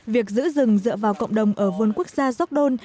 việc giữ rừng dựa vào cộng đồng ở vườn quốc gia york don